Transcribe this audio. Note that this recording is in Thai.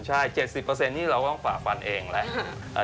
ใช่๗๐นี่เราต้องฝ่าฟันเองแหละ